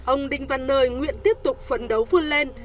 ông đinh văn nơi nguyện tiếp tục phấn đấu vươn lên